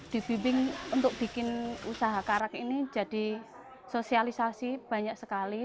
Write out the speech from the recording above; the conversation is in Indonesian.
dibimbing untuk bikin usaha karak ini jadi sosialisasi banyak sekali